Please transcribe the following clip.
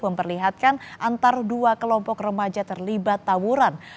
memperlihatkan antara dua kelompok remaja terlibat tawuran